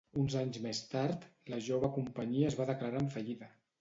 Uns anys més tard, la jove companyia es va declarar en fallida.